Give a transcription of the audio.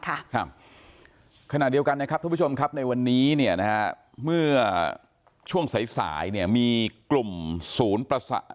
คำขณะดีวกันนะครับทุกผู้ชมครับในวันนี้เนี่ยเมื่อช่วงใสเนี่ยมีกลุ่มสูญประสา